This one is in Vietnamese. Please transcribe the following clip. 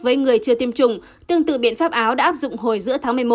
với người chưa tiêm chủng tương tự biện pháp áo đã áp dụng hồi giữa tháng một mươi một